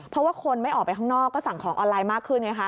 เพราะว่าคนไม่ออกไปข้างนอกก็สั่งของออนไลน์มากขึ้นไงคะ